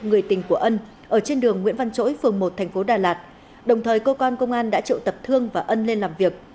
người tình của ân ở trên đường nguyễn văn chỗi phường một thành phố đà lạt đồng thời cơ quan công an đã triệu tập thương và ân lên làm việc